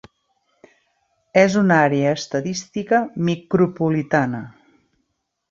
És una àrea estadística micropolitana.